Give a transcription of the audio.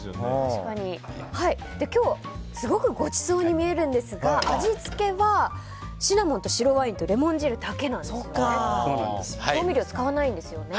今日、すごくごちそうに見えるんですが味付けはシナモンと白ワインとレモン汁だけなんですよね。